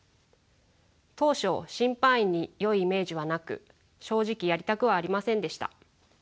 当初審判員によいイメージはなく正直やりたくはありませんでした。